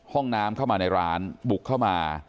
ห้องน้ำเข้ามาในร้านบุกเข้ามา